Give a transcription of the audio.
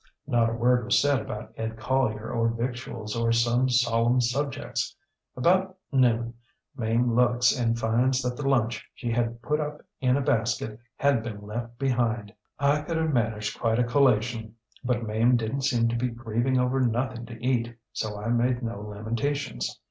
Not a word was said about Ed Collier or victuals or such solemn subjects. About noon Mame looks and finds that the lunch she had put up in a basket had been left behind. I could have managed quite a collation, but Mame didnŌĆÖt seem to be grieving over nothing to eat, so I made no lamentations.